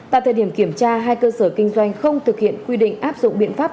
tại thời điểm kiểm tra hai cơ sở kinh doanh không thực hiện quy định áp dụng biện pháp